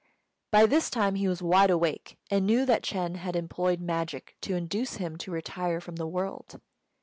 By this time he was wide awake, and knew that Ch'êng had employed magic to induce him to retire from the world.